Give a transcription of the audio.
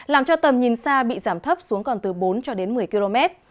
làm cho tầm nhìn xa bị giảm thấp xuống còn từ bốn cho đến một mươi km